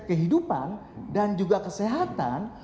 kehidupan dan juga kesehatan